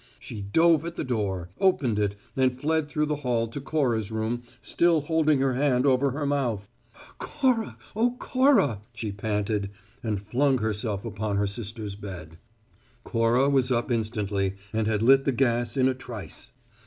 She dove at the door, opened it, and fled through the hall to Cora's room, still holding her hand over her mouth. "Cora! Oh, Cora!" she panted, and flung herself upon her sister's bed. Cora was up instantly; and had lit the gas in a trice.